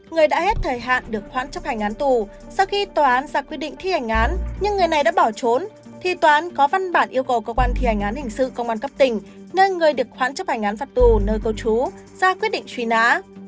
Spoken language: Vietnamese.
người đã hết thời hạn được khoản chấp hành án tù sau khi tòa án ra quyết định thi hành án nhưng người này đã bỏ trốn thì tòa án có văn bản yêu cầu cơ quan thi hành án hình sự công an cấp tỉnh nơi người được khoán chấp hành án phạt tù nơi cư trú ra quyết định truy nã